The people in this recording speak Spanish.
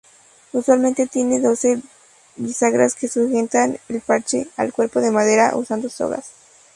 Usualmente tiene doce bisagras que sujetan el parche al cuerpo de madera usando sogas.